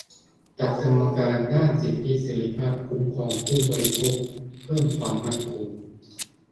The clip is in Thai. ตัดกรรมการด้านสิทธิเสรีภาพ-คุ้มครองผู้บริโภค เพิ่มความมั่นคง